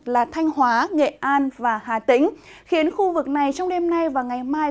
là thanh hóa nghệ an và hà tĩnh khiến khu vực này trong đêm nay và ngày mai